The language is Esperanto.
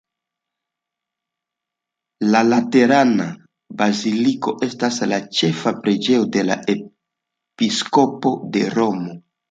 La Laterana baziliko estas la ĉefa preĝejo de la episkopo de Romo.